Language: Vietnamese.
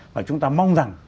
và chúng ta mong rằng